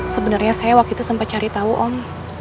sebenarnya saya waktu itu sempat cari tahu om